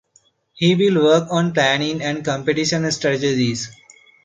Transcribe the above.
He will work on planning and competition strategies.